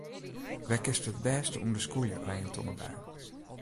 Wêr kinst it bêste ûnder skûlje by in tongerbui?